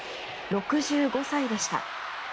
６５歳でした。